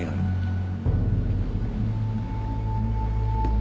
あ。